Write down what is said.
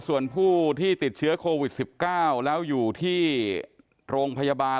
ส่วนผู้ที่ติดเชื้อโควิด๑๙แล้วอยู่ที่โรงพยาบาล